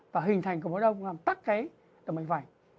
và hình thành cục máu đông làm tắt cái mạch vành